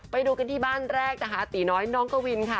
ไปดูกันที่บ้านแรกนะคะตีน้อยน้องกวินค่ะ